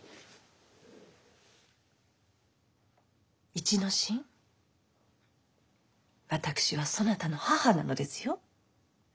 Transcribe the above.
一之進私はそなたの母なのですよ。